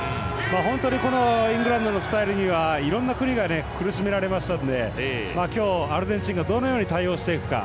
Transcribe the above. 本当に、イングランドのスタイルにはいろんな国が苦しめられましたので今日、アルゼンチンがどのように対応していくか。